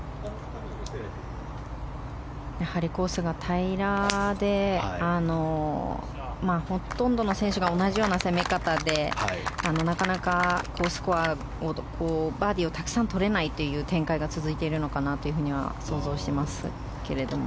やはりコースが平らでほとんどの選手が同じような攻め方でなかなか好スコアバーディーをたくさんとれないという展開が続いているのかなとは想像していますけれども。